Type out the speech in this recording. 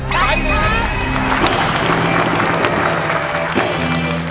ใช้ค่ะ